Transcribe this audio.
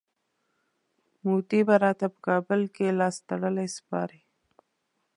مودي به راته په کابل کي لاستړلی سپارئ.